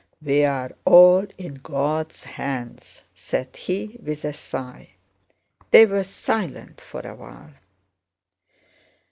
"We are all in God's hands," said he, with a sigh. They were silent for a while.